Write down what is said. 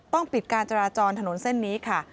ปิดการจราจรถนนเส้นนี้ค่ะ